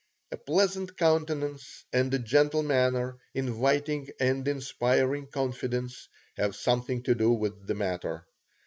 A pleasant countenance and a gentle manner, inviting and inspiring confidence, have something to do with the matter.